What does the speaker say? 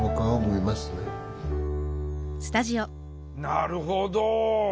なるほど。